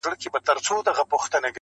د آتشي غرو د سکروټو د لاوا لوري,